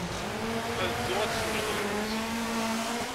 Ad dduɣ ad d-swejdeɣ imensi.